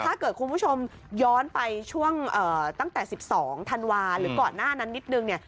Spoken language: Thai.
ถ้าเกิดคุณผู้ชมย้อนไปช่วงตั้งแต่๑๒ธันวาหรือก่อนหน้านั้นนิดนึงเนี่ย